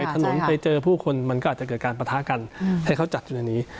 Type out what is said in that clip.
ถนนไปเจอผู้คนมันก็อาจจะเกิดการประทะกันให้เขาจัดอยู่ในนี้